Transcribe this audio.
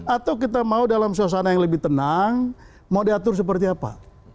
atau kita mau dalam suasana yang lebih tenang mau diatur seperti apa